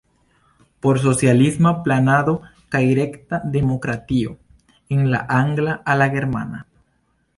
Por socialisma planado kaj rekta demokratio" el la angla al la germana.